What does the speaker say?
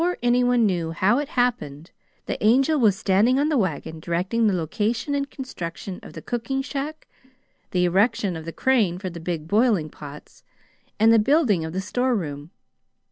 Before anyone knew how it happened, the Angel was standing on the wagon, directing the location and construction of the cooking shack, the erection of the crane for the big boiling pots, and the building of the store room.